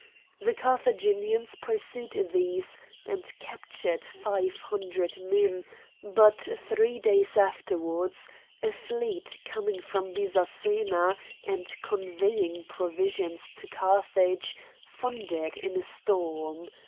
The Carthaginians pursued these, and captured five hundred men; but three days afterwards a fleet coming from Byzacena, and conveying provisions to Carthage, foundered in a storm.